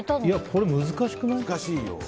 これ難しくない？